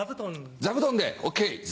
座布団でＯＫ座